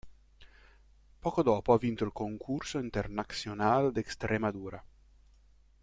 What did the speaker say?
Poco dopo ha vinto il Concurso Internacional de Extremadura.